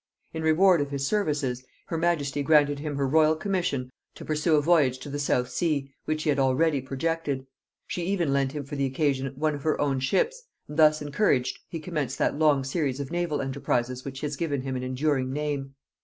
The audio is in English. In reward of his services, her majesty granted him her royal commission to pursue a voyage to the South Sea, which he had already projected; she even lent him for the occasion one of her own ships; and thus encouraged, he commenced that long series of naval enterprises which has given him an enduring name.